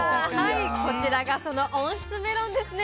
こちらがその温室メロンですね。